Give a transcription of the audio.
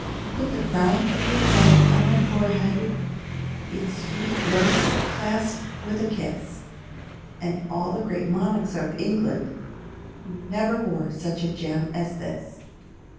Put the crown of your love on my forehead, Its sweet links clasped with a kiss, And all the great monarchs of England Never wore such a gem as this.